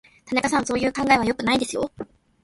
田中さん、そういう考え方は良くないですよ。